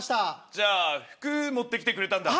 じゃあ服持ってきてくれたんだ。